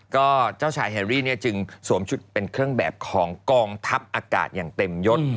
ก็เจ้าชายแฮรี่เนี่ยจึงสวมชุดเป็นเครื่องแบบของกองทัพอากาศอย่างเต็มยศ